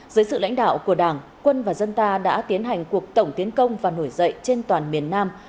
dưới sự lãnh đạo của đảng quân và dân ta đã tiến hành cuộc tổng tiến công và nổi dậy trên toàn miền nam